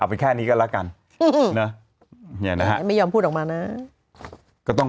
ไปแค่นี้ก็แล้วกันนะเนี่ยนะฮะไม่ยอมพูดออกมานะก็ต้อง